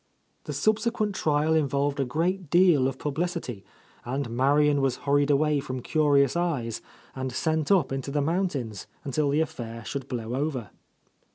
The subsequent trial involved a great deal of publicity, and Marian was hurried away from curious eyes and sent up into the mountains until the affair should blow over.